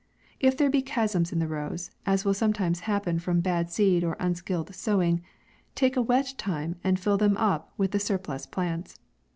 If there be chasms in the rows, as will some times happen from bad seed, or unskilful sowing, take a wet time, and fill them up with the surplus plants.